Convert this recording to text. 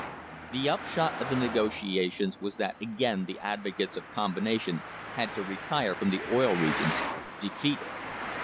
The upshot of the negotiations was that again the advocates of combination had to retire from the Oil Regions defeated.